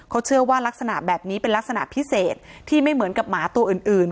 เขาเชื่อว่ารักษณะแบบนี้เป็นลักษณะพิเศษที่ไม่เหมือนกับหมาตัวอื่น